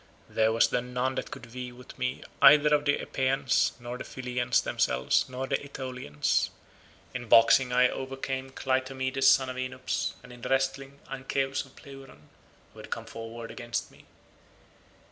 There was then none that could vie with me neither of the Epeans nor the Pylians themselves nor the Aetolians. In boxing I overcame Clytomedes son of Enops, and in wrestling, Ancaeus of Pleuron who had come forward against me.